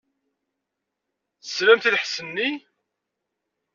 Teslamt i lḥess-nni?